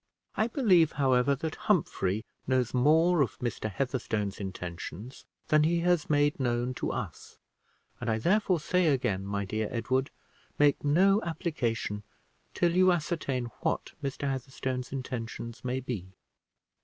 I believe, however, that Humphrey knows more of Mr. Heatherstone's intentions than he has made known to us; and I therefore say again, my dear Edward, make no application till you ascertain what Mr. Heatherstone's intentions may be."